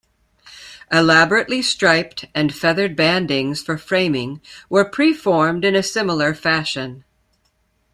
Elaborately striped and feathered bandings for framing were pre-formed in a similar fashion.